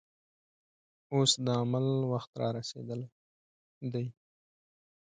اوس د عمل وخت رارسېدلی دی.